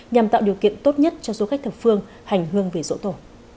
nhằm tạo điều kiện tốt nhất cho du khách thập phương hành hương về dỗ tổ